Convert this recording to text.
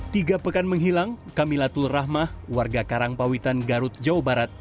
tiga pekan menghilang kamilatul rahmah warga karangpawitan garut jawa barat